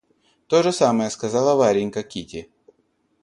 То же самое сказала Варенька Кити.